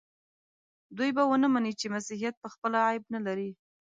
دوی به ونه مني چې مسیحیت پخپله عیب نه لري.